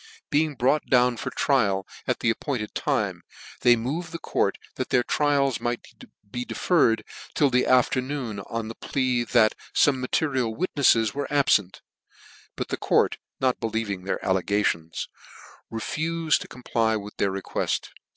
Being brought down for trial at the appointed time, they moved the court that their trials might be deferred till the afternoon, on the plea that fome material witnefles were abfent: but the court not believing their allegar.ons, refufed to comply with their requcft.